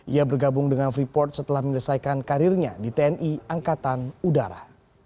ia bergabung dengan freeport setelah menyelesaikan karirnya di tni angkatan udara